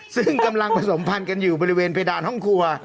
ซึ่งกำลังผสมพันธ์กันอยู่บริเวณเพดานห้องครัว